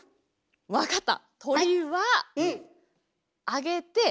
分かった！